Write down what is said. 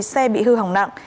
một mươi xe bị hư hỏng nặng